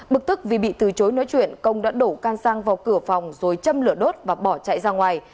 bực tức vì bị từ chối nói chuyện công đã đổ can sang vào cửa phòng rồi châm lửa đốt và bỏ chạy ra ngoài